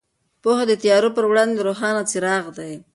پوهه د تیارو پر وړاندې روښان څراغ دی.